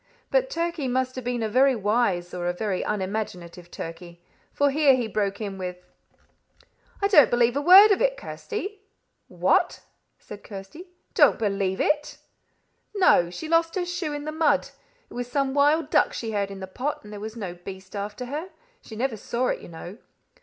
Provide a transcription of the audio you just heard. But Turkey must have been a very wise or a very unimaginative Turkey, for here he broke in with "I don't believe a word of it, Kirsty." "What!" said Kirsty "don't believe it!" "No. She lost her shoe in the mud. It was some wild duck she heard in the pot, and there was no beast after her. She never saw it, you know."